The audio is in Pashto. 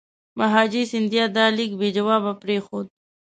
مهاجي سیندیا دا لیک بې جوابه پرېښود.